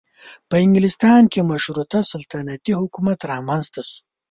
په انګلستان کې مشروطه سلطنتي حکومت رامنځته شو.